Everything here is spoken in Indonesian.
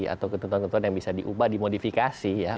atau ketentuan ketentuan yang bisa diubah dimodifikasi ya